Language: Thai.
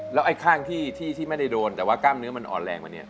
แล้วไอ้ข้างที่ไม่ได้โดนแต่ว่ากล้ามเนื้อมันอ่อนแรงมาเนี่ย